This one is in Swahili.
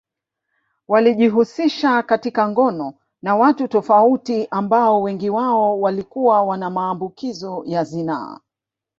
Walijihusisha katika ngono na watu tofauti ambao wengi wao walikuwa wana maambukizo ya zinaa